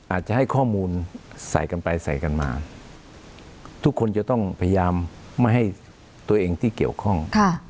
อาจจะให้ข้อมูลใส่กันไปใส่กันมาทุกคนจะต้องพยายามไม่ให้ตัวเองที่เกี่ยวข้อง